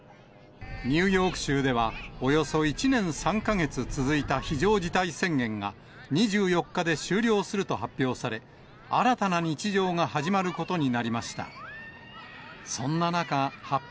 ニューヨーク州では、およそ１年３か月続いた非常事態宣言が、２４日で終了すると発表され、新たな日常が始まることになりました。